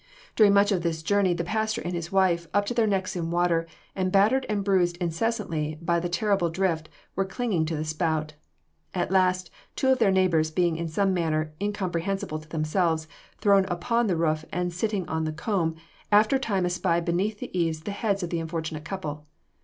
During much of this journey the pastor and his wife, up to their necks in water, and battered and bruised incessantly by the terrible drift, were clinging to the spout. At last two of their neighbors being in some manner, incomprehensible to themselves, thrown upon the roof and sitting on the comb, after a time espied beneath the eaves the heads of the unfortunate couple.